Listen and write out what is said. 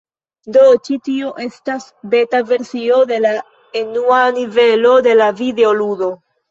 Do ĉi tio estas beta versio de la enua nivelo de la videoludo.